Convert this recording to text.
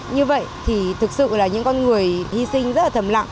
như vậy thì thực sự là những con người hy sinh rất là thầm lặng